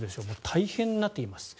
大変になっています。